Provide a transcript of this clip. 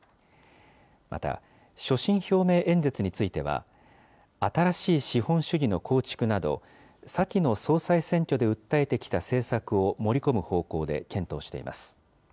また、所信表明演説については、新しい資本主義の構築など、先の総裁選挙で訴えてきた政策を盛り込む方向で検討しています。